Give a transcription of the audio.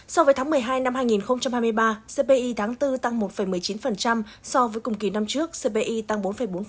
so với tháng một mươi hai năm hai nghìn hai mươi ba cpi tháng bốn tăng một một mươi chín so với cùng kỳ năm trước cpi tăng bốn bốn